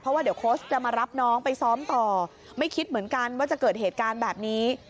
เพราะว่าเดี๋ยวโค้ชจะมารับน้องไปซ้อมต่อไม่คิดเหมือนกันว่าจะเกิดเหตุการณ์แบบนี้